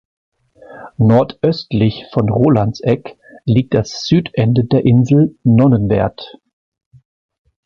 Nordöstlich von Rolandseck liegt das Südende der Insel Nonnenwerth.